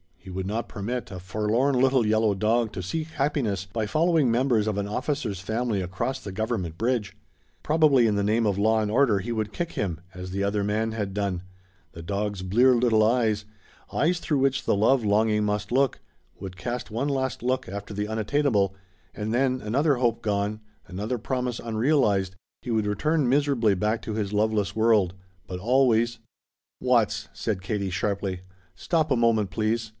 He would not permit a forlorn little yellow dog to seek happiness by following members of an officer's family across the Government bridge. Probably in the name of law and order he would kick him, as the other man had done; the dog's bleared little eyes, eyes through which the love longing must look, would cast one last look after the unattainable, and then, another hope gone, another promise unrealized, he would return miserably back to his loveless world, but always "Watts," said Katie sharply, "stop a moment, please.